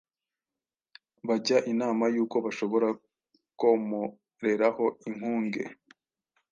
bajya inama y’uko bashobora komoreraho inkuge.